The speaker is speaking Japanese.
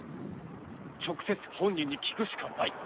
直接本人に聞くしかない！